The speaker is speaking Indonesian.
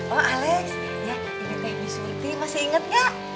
oh alex ini teh bisulti masih inget gak